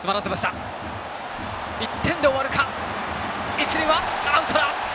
一塁はアウトだ。